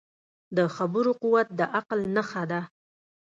د خبرو قوت د عقل نښه ده